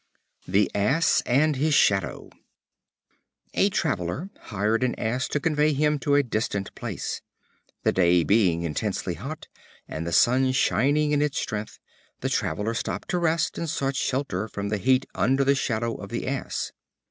The Ass and his Shadow. A traveler hired an Ass to convey him to a distant place. The day being intensely hot, and the sun shining in its strength, the traveler stopped to rest, and sought shelter from the heat under the Shadow of the Ass.